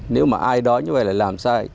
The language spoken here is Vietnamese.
nếu mà ai đó như vậy là làm sai